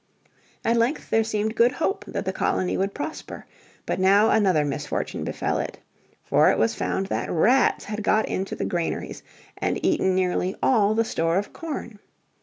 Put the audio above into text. At length there seemed good hope that the colony would prosper. But now another misfortune befell it. For it was found that rats had got into the granaries and eaten nearly all the store of corn.